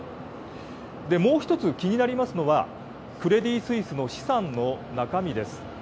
もう１つ、気になりますのは、クレディ・スイスの資産の中身です。